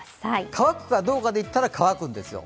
乾くかどうかでいったら乾くんですよ。